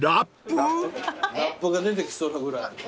ラップが出てきそうなぐらい。